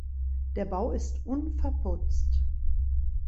Der Bau ist unverputzt.